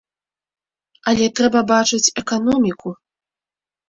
Але трэба бачыць эканоміку.